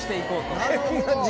なるほど！